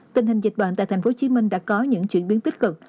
tình hình dịch bệnh tại thành phố hồ chí minh đã có những chuyển biến tích cực